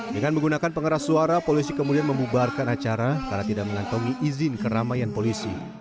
dengan menggunakan pengeras suara polisi kemudian membubarkan acara karena tidak mengantongi izin keramaian polisi